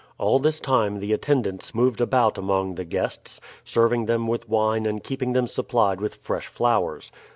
All this time the attendants moved about among the guests, serving them with wine and keeping them supplied with fresh flowers.